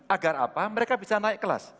agar apa mereka bisa naik kelas